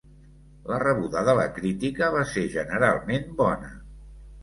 La rebuda de la crítica va ser generalment bona.